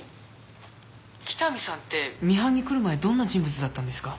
北見さんってミハンに来る前どんな人物だったんですか？